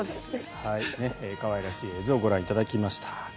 可愛らしい映像をご覧いただきました。